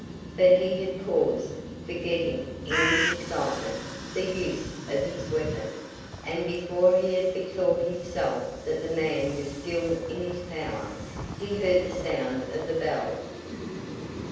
But he had paused, forgetting, in his excitement, the use of his weapon, and before he had bethought himself that the man was still in his power, he heard the sound of the bell.